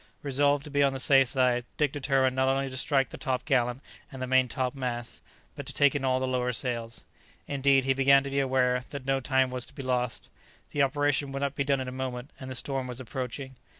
Resolved to be on the safe side, Dick determined not only to strike the top gallant and the main top mast, but to take in all the lower sails. Indeed, he began to be aware that no time was to be lost. The operation would not be done in a moment, and the storm was approaching.